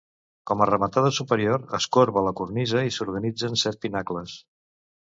Com a rematada superior es corba la cornisa i s'organitzen set pinacles.